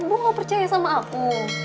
gue gak percaya sama aku